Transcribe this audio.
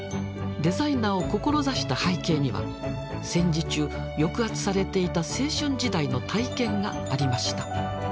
デザイナーを志した背景には戦時中抑圧されていた青春時代の体験がありました。